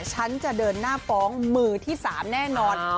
ฉันจะเดินหน้าฟ้องมือที่๓แน่นอน